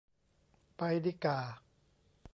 ไปดีก่า